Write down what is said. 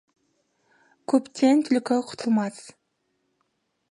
Көптен түлкі құтылмас.